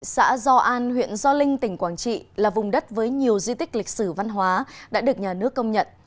xã do an huyện do linh tỉnh quảng trị là vùng đất với nhiều di tích lịch sử văn hóa đã được nhà nước công nhận